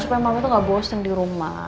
supaya mama itu gak bosen di rumah